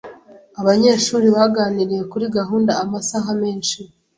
Abanyeshuri baganiriye kuri gahunda amasaha menshi.